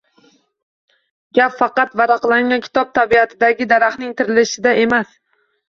Gap faqat varaqlangan kitob tabiatidagi daraxtning tirilishida emas.